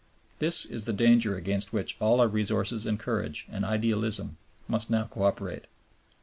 This is the danger against which all our resources and courage and idealism must now co operate.